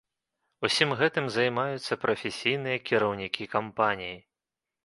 Усім гэтым займаюцца прафесійныя кіраўнікі кампаніі.